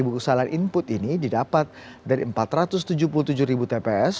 tujuh puluh tiga kesalahan input ini didapat dari empat ratus tujuh puluh tujuh tps